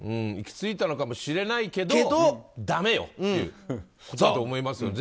行き着いたのかもしれないけどだめよということだと思います。